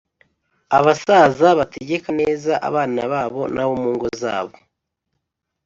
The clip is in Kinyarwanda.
abasaza bategeka neza abana babo n’abo mu ngo zabo